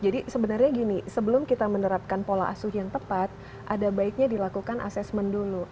jadi sebenarnya gini sebelum kita menerapkan pola asuh yang tepat ada baiknya dilakukan asesmen dulu